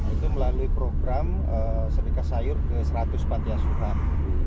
itu melalui program sedekah sayur ke seratus panti asuhan